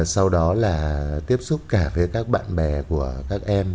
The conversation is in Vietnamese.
sau đó là tiếp xúc cả với các bạn bè của các em